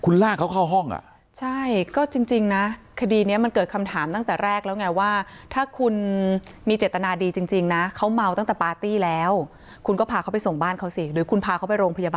คุณลากเขาเข้าห้องอ่ะใช่ก็จริงจริงนะคดีเนี้ยมันเกิดคำถามตั้งแต่แรกแล้วไงว่า